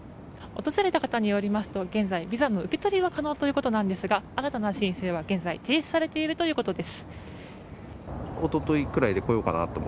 訪れた方によりますと現在、ビザの受け取りは可能ということなんですが新たな申請は現在、停止されているということです。